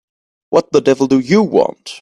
What the devil do you want?